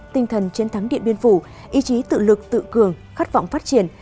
tinh thần chiến thắng điện biên phủ ý chí tự lực tự cường khát vọng phát triển